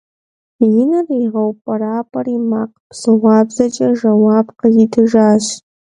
И нэр игъэупӀэрапӀэри, макъ псыгъуабзэкӀэ жэуап къызитыжащ.